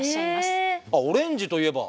オレンジといえば。